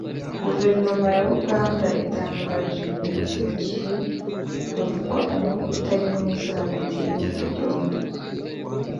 Guverinoma ya Uganda itangaje ibi mu gihe havugwa umwuka utari mwiza hagati y’ibihugu byombi